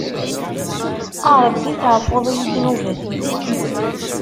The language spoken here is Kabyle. A Rebbi teɛfuḍ-iyi ddnubat-iw.